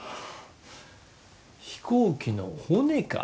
飛行機の骨か？